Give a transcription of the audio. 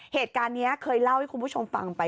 เหตุการณ์นี้เคยเล่าให้คุณผู้ชมฟังไป